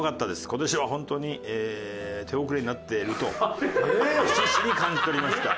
「今年は本当に手遅れになっているとひしひしに感じとりました」